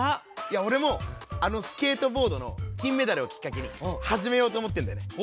いやおれもあのスケートボードの金メダルをきっかけにはじめようとおもってんだよね。